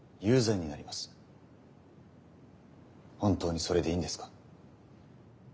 本当にそれでいいんですか？